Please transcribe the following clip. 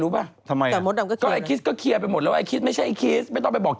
ปุ๊บเมื่อวานพี่มีใครส่งเลยอ้าวทำไมไม่ส่ง